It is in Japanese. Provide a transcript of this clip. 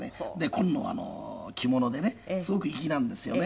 紺の着物でねすごく粋なんですよね。